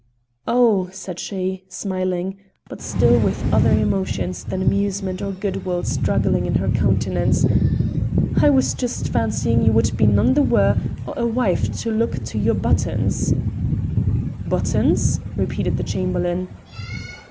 "Oh!" said she, smiling, but still with other emotions than amusement or goodwill struggling in her countenance, "I was just fancying you would be none the waur o' a wife to look to your buttons." "Buttons!" repeated the Chamberlain.